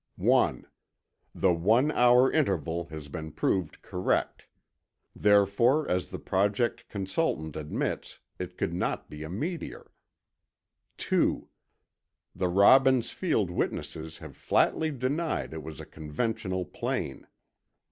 1. The one hour interval has been proved correct. Therefore, as the Project consultant admits, it could not be a meteor. 2. The Robbins Field witnesses have flatly denied it was a conventional plane.